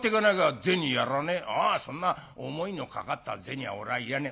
ああそんな思いのかかった銭俺はいらねえ。